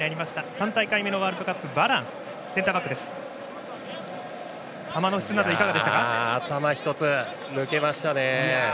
３大会目のワールドカップ頭１つ抜けましたね。